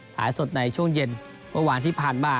ถ่ายสดในช่วงเย็นวันที่ผ่านมา